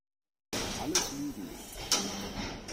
Alles Lügen!